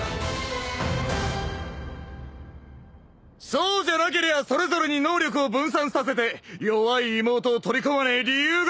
そうじゃなけりゃそれぞれに能力を分散させて弱い妹を取り込まねえ理由がねえ！